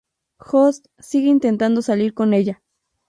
Josh sigue intentando salir con ella.